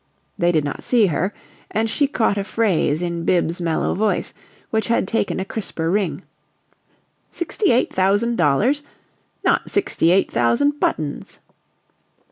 They did not see her, and she caught a phrase in Bibbs's mellow voice, which had taken a crisper ring: "Sixty eight thousand dollars? Not sixty eight thousand buttons!"